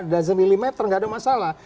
dan semilimeter enggak ada masalah